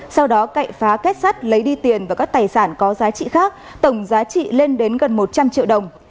sau đó cậy phá kết sắt lấy đi tiền và các tài sản có giá trị khác tổng giá trị lên đến gần một trăm linh triệu đồng